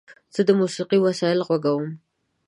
زه د موسیقۍ وسایل غږوم.